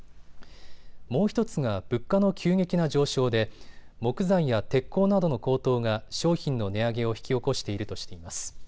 もう１つが物価の急激な上昇で木材や鉄鋼などの高騰が商品の値上げを引き起こしているとしています。